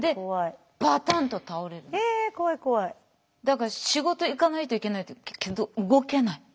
だから仕事行かないといけないけど動けない。